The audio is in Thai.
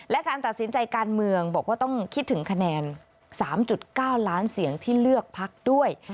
และการตัดสินใจการเมืองบอกว่าต้องคิดถึงคะแนน๓๙ล้านเสียงที่เลือกพักด้วย